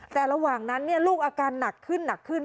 แต่ระหว่างนั้นเนี่ยลูกอาการหนักขึ้น